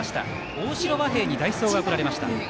大城和平に代走が送られました。